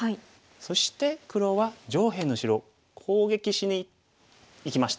そして黒は上辺の白を攻撃しにいきました。